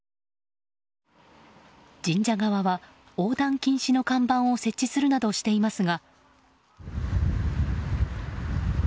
神社側は、横断禁止の看板を設置するなどしていますが。